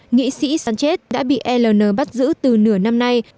nghị sĩ sanchez đã bị aln bắt giữ từ nửa năm nay